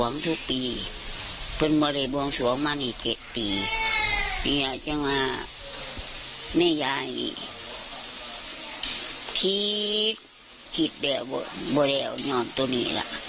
แม่ยายนี่คิดคิดแหละไม่แล้วยอดตัวนี้ล่ะ